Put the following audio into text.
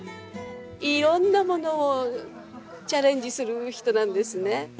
色んなものをチャレンジする人なんですね。